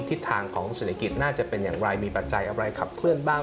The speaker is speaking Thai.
ทิศทางของเศรษฐกิจน่าจะเป็นอย่างไรมีปัจจัยอะไรขับเคลื่อนบ้าง